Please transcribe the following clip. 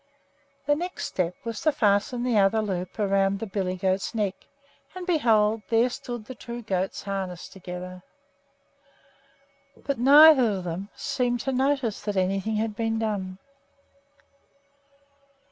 The next step was to fasten the other loop around the billy goat's neck, and behold! there stood the two goats harnessed together. But neither of them seemed to notice that anything had been done.